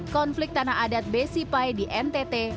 konflik tanah adat besipai di ntt